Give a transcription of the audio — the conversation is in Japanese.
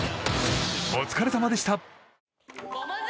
お疲れさまでした。